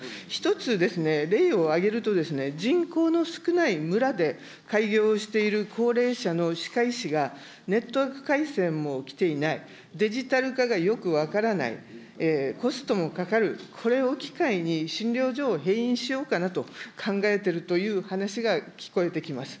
１つですね、例を挙げるとですね、人口の少ない村で開業している高齢者の歯科医師が、ネットワーク回線も来ていない、デジタル化がよく分からない、コストもかかる、これを機会に診療所を閉院しようかなと考えてるという話が聞こえてきます。